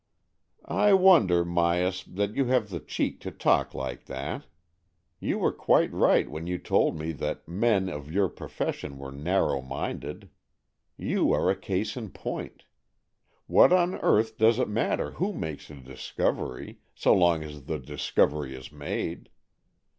" I wonder, Myas, that you have the cheek to talk like that. You were quite right when you told me that men of your profession were narrow minded. You are a case in point. What on earth does it matter who makes a discovery, so long as the discovery is made?